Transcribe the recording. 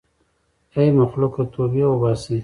ای مخلوقه توبې وباسئ.